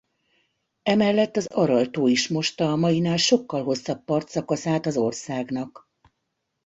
Emellett az Aral-tó is mosta a mainál sokkal hosszabb partszakaszát az országnak.